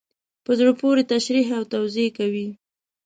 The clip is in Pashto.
په زړه پوري تشریح او توضیح کوي.